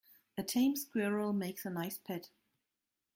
A tame squirrel makes a nice pet.